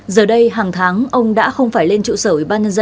giờ đây hàng tháng ông đã không phải lên trụ sởi ban nhân dân